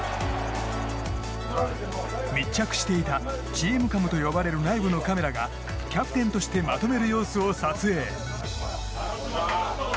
密着していた「ＴｅａｍＣａｍ」と呼ばれる内部のカメラがキャプテンとしてまとめる様子を撮影。